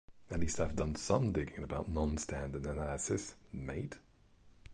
At least I've done some digging about non standard analysis, mate!